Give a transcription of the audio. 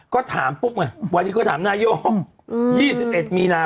ก็ถามปุ๊บไงวันนี้ก็ถามนายก๒๑มีนา